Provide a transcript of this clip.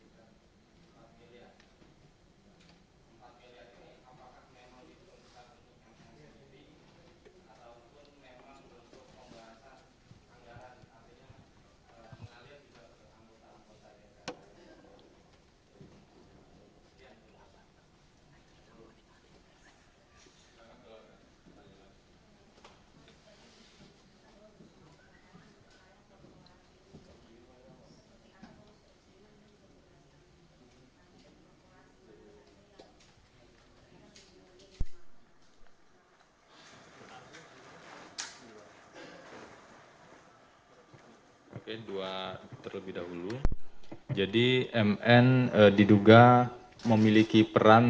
jadi mn diduga memiliki peran dalam proses pelaksanaan